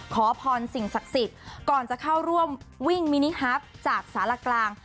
ขอพรสิ่งศักดิ์สิทธิ์ก่อนจะเข้าร่วมวิ่งมินิฮับจากสารกลาง